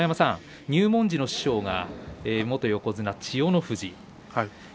入門時の師匠が元横綱千代の富士。